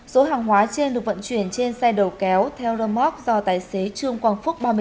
số hàng hóa trên được vận chuyển trên xe đầu kéo thelromox do tài xế trương quang phúc